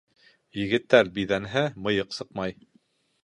Егеттәр биҙәнһә, мыйыҡ сыҡмай.